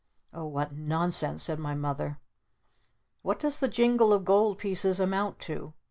"Oh what nonsense!" said my Mother. "What does the jingle of Gold Pieces amount to?